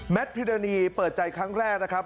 พิรณีเปิดใจครั้งแรกนะครับ